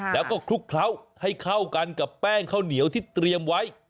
แล้วก็คลุกเคล้าให้เข้ากันกับแป้งข้าวเหนียวที่เตรียมไว้